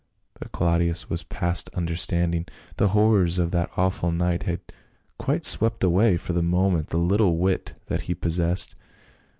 But Claudius was past understanding, the horrors of that awful night had quite swept away for the moment the little wit that he possessed.